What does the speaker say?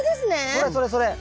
それそれそれ。